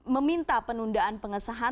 meminta penundaan pengesahan